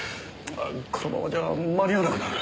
このままじゃ間に合わなくなる。